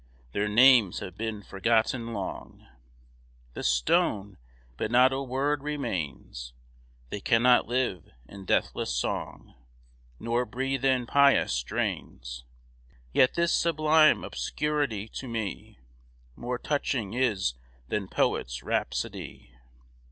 Their names have been forgotten long; The stone, but not a word, remains; They cannot live in deathless song, Nor breathe in pious strains. Yet this sublime obscurity to me More touching is than poet's rhapsody.